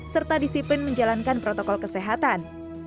serta disiplin menjalankan protokol kesehatan